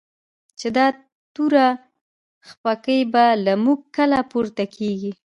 چی دا توره خپکی به؛ له موږ کله پورته کیږی